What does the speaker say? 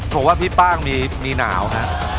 ถูกว่าพี่ป้างมีหนาวค่ะ